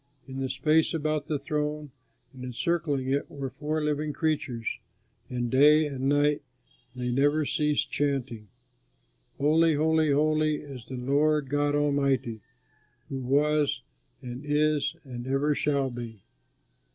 In the space about the throne and encircling it were four living creatures, and day and night they never ceased chanting: "Holy, holy, holy is the Lord God Almighty, Who was and is and ever shall be."